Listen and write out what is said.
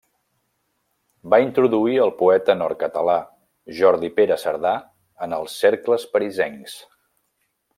Va introduir el poeta nord-català Jordi Pere Cerdà en els cercles parisencs.